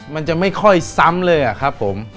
มันจะไม่ค่อยซ้ำเลยอะครับผม